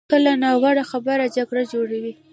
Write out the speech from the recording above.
کله ناوړه خبره جګړه جوړوي.